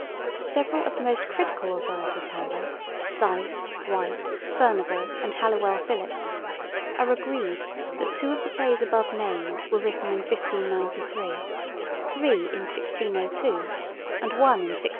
Several of the most critical authorities, however, Dyce, White, Furnival, and Halliwell Phillipps, are agreed that two of the plays above named were written in 1593, three in 1602, and one in 1609.